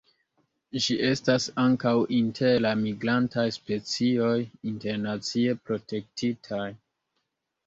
Ĝi estas ankaŭ inter la migrantaj specioj internacie protektitaj.